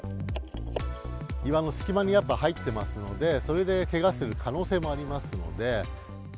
岩の隙間にやっぱ入ってますので、それでけがする可能性もありますので。